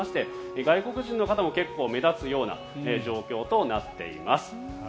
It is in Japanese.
外国人の方も結構目立つような状況となっています。